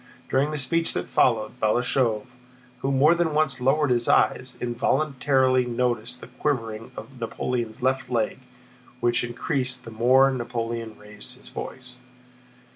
During the speech that followed, Balashëv, who more than once lowered his eyes, involuntarily noticed the quivering of Napoleon's left leg which increased the more Napoleon raised his voice.